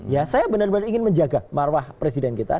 ya saya benar benar ingin menjaga marwah presiden kita